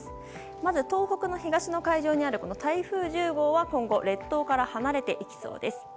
まず東北の東の海上にある台風１０号は今後、列島から離れていきそうです。